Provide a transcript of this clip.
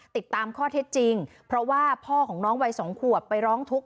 ติดตามข้อเท็จจริงเพราะว่าพ่อของน้องวัยสองขวบไปร้องทุกข